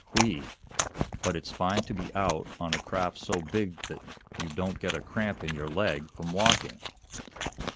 "Whee! but it's fine to be out on a craft so big that you don't get a cramp in your leg from walking!